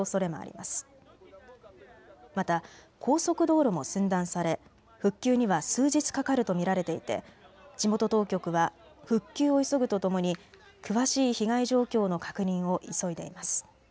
また高速道路も寸断され復旧には数日かかると見られていて地元当局は復旧を急ぐとともに詳しい被害状況の確認を急いでいます。